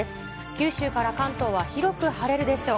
九州から関東は広く晴れるでしょう。